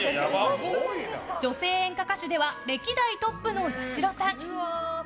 女性演歌歌手では歴代トップの八代さん。